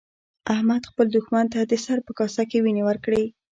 احمد خپل دوښمن ته د سر په کاسه کې وينې ورکړې.